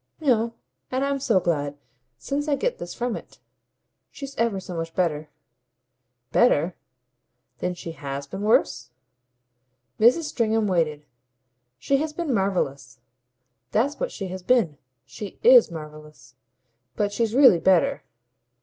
"No and I'm so glad, since I get this from it. She's ever so much better." "Better? Then she HAS been worse?" Mrs. Stringham waited. "She has been marvellous that's what she has been. She IS marvellous. But she's really better."